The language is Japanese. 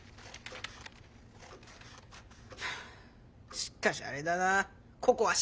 しかしあれだなここは深海か？